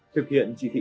thực hiện chỉ thị